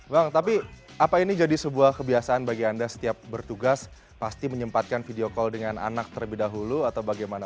bang tapi apa ini jadi sebuah kebiasaan bagi anda setiap bertugas pasti menyempatkan video call dengan anak terlebih dahulu atau bagaimana